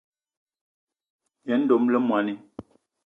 Yen dom le moní.